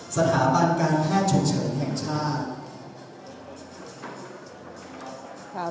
สถาบันการแพทย์ฉุกเฉินแห่งชาติ